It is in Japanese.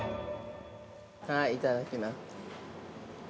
◆はい、いただきます。